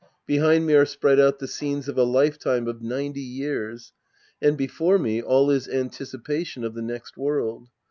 Behind me are spread out the scenes of a lifetime of ninety years. And before me, all is anticipation of the next world.